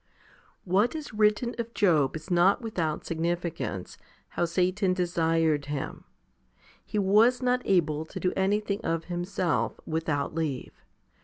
* 7. What is written'of Job is not without significance, how Satan desired him. 2 He was not able to do anything of himself, without leave.